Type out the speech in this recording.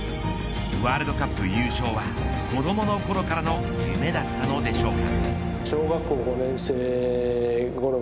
ワールドカップ優勝は子どものころからの夢だったのでしょうか。